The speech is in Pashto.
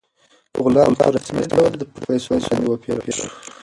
غلام په رسمي ډول په پیسو باندې وپېرل شو.